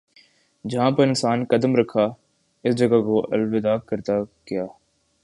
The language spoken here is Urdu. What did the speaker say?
جہاں پر انسان نے قدم رکھا اس جگہ کو آلودہ کرتا گیا